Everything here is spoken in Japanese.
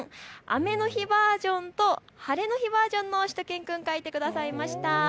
雨の日バージョンと晴れの日バージョンのしゅと犬くん、かいてくださいました。